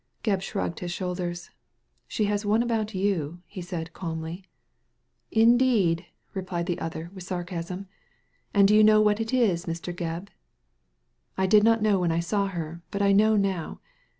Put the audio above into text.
Gebb shrugged his shoulders. "She has one about you," he said calmly. " Indeed !" replied the other with sarcasm. " And do you know what it is, Mr. Gebb ?''" I did not know when I saw her, but I know now.